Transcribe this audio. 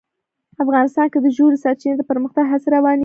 افغانستان کې د ژورې سرچینې د پرمختګ هڅې روانې دي.